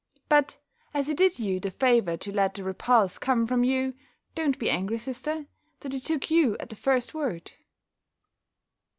But, as he did you the favour to let the repulse come from you, don't be angry, sister, that he took you at the first word."